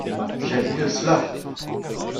J’aime mieux cela !…